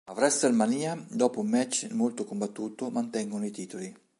A Wrestlemania, dopo un match molto combattuto, mantengono i titoli.